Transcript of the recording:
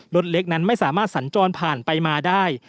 รถเล็กนั้นไม่สามารถสัญจรผ่านไปมาได้